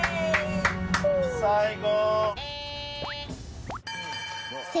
最高！